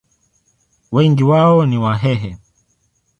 Wengi wao ni Wahehe.